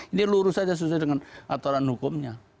ini lurus saja sesuai dengan aturan hukumnya